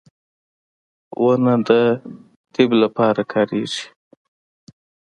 • ونه د طب لپاره کارېږي.